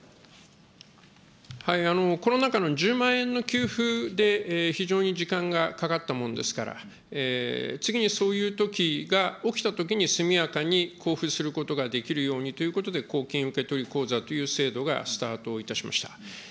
コロナ禍の１０万円の給付で非常に時間がかかったもんですから、次にそういうときが起きたときに、速やかに交付することができるようにということで、公金受取口座という制度がスタートいたしました。